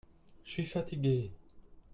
Je suis fatigué.